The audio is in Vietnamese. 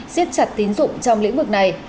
xếp chặt tín dụng trong lĩnh vực này